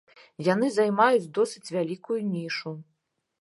Яны займаюць досыць вялікую нішу.